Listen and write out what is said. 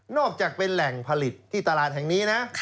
อกจากเป็นแหล่งผลิตที่ตลาดแห่งนี้นะ